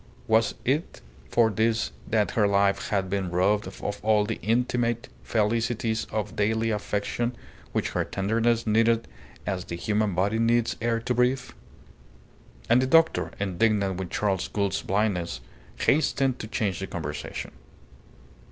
Was it for this that her life had been robbed of all the intimate felicities of daily affection which her tenderness needed as the human body needs air to breathe? And the doctor, indignant with Charles Gould's blindness, hastened to change the conversation.